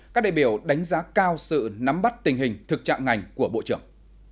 các đại biểu đánh giá cao sự nắm bắt tình hình thực trạng ngành của bộ trưởng